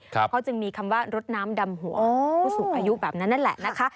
เขาจึงมีคำว่ารดน้ำดำหัวผู้สูงอายุแบบนั้นนั่นแหละนะคะ